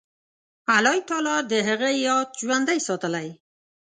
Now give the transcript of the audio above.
الله تعالی د هغه یاد ژوندی ساتلی.